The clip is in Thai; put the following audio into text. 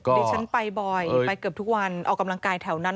ดิฉันไปบ่อยไปเกือบทุกวันออกกำลังกายแถวนั้น